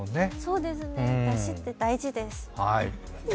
そうですね、だしって大事です。